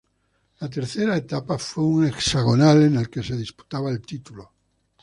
La tercera etapa fue un hexagonal, en el que se disputaba el título.